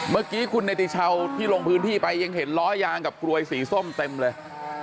เมื่อกี้คุณเนติชาวที่ลงพื้นที่ไปยังเห็นล้อยางกับกลวยสีส้มเต็มเลย